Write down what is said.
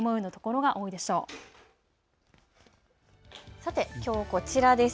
さてきょう、こちらです。